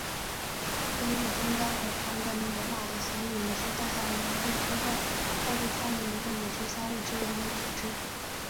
根据中冈和坂本龙马的协议于是在海援队之后再度创立一个与之相互支援的组织。